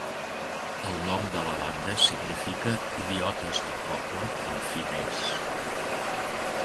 El nom de la banda significa "idiotes del poble" en finès.